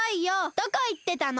どこいってたの？